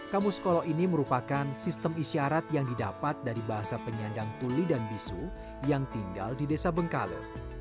kamus kolo ini merupakan sistem isyarat yang didapat dari bahasa penyandang tuli dan bisu yang tinggal di desa bengkale